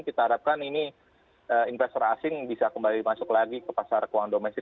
kita harapkan ini investor asing bisa kembali masuk lagi ke pasar keuangan domestik